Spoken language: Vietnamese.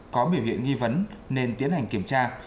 có biểu hiện nghi vấn nên tiến hành kiểm tra